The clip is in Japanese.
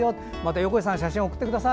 横井さん、また送ってください。